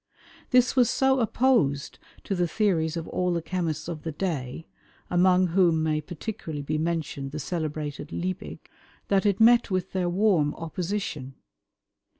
This was so opposed to the theories of all the chemists of the day, among whom may particularly be mentioned the celebrated Liebig, that it met with their warm opposition.